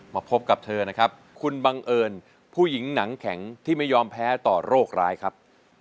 พบกับเธอนะครับคุณบังเอิญผู้หญิงหนังแข็งที่ไม่ยอมแพ้ต่อโรคร้ายครับ